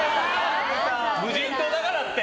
無人島だからって。